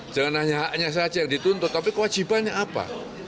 jangan hanya haknya saja yang dituntut tapi kewajibannya apa